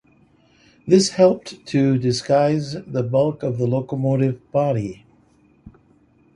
This helped to disguise the bulk of the locomotive body.